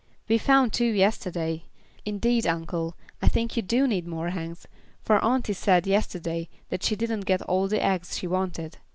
"We found two yesterday. Indeed, uncle, I think you do need more hens, for auntie said yesterday that she didn't get all the eggs she wanted."